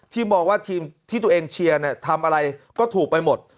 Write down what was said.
มองว่าทีมที่ตัวเองเชียร์เนี่ยทำอะไรก็ถูกไปหมด